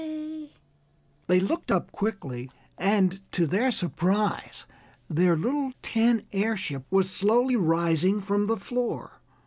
They looked up quickly, and to their surprise their little tin airship was slowly rising from the floor.